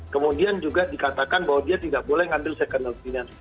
kemudian juga dikatakan bahwa dia tidak boleh ngambil second opinion